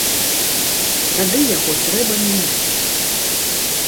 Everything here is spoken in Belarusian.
Тады яго трэба мяняць.